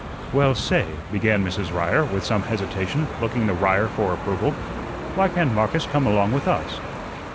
"Well, say," began Mrs. Ryer, with some hesitation, looking to Ryer for approval, "why can't Marcus come along with us?"